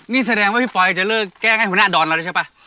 นี่แสดงว่าพี่ฟอยจะเลิกแจ้งให้หัวหน้าดอนมาแล้วใช่ป่ะ